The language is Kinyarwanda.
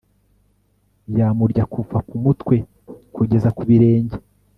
yamurya kuva ku mutwe kugeza ku birenge